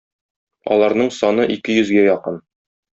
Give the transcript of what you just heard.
Аларның саны ике йөзгә якын.